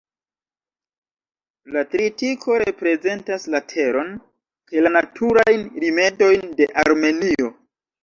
La tritiko reprezentas la teron kaj la naturajn rimedojn de Armenio.